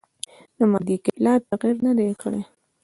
د مادې کتله تغیر نه دی کړی.